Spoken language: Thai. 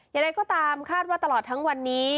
อย่างไรก็ตามคาดว่าตลอดทั้งวันนี้